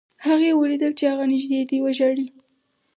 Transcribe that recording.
هغې ولیدل چې هغه نږدې دی وژاړي